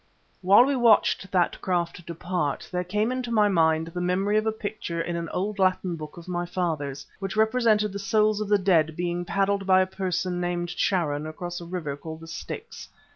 While we watched that craft depart there came into my mind the memory of a picture in an old Latin book of my father's, which represented the souls of the dead being paddled by a person named Charon across a river called the Styx.